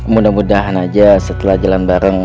mudah mudahan aja setelah jalan bareng